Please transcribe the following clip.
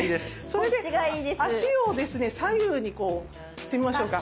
それで足を左右に振ってみましょうか。